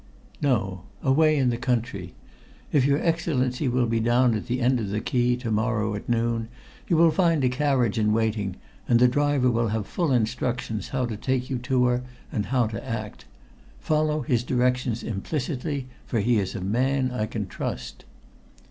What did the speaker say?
"No. Away in the country. If your Excellency will be down at the end of the quay to morrow at noon you will find a carriage in waiting, and the driver will have full instructions how to take you to her and how to act. Follow his directions implicitly, for he is a man I can trust."